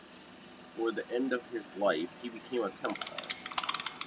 Toward the end of his life he became a Templar.